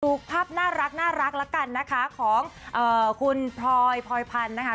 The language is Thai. ดูภาพน่ารักแล้วกันนะคะของคุณพลอยพลอยพันธ์นะคะ